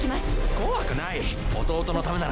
怖くない。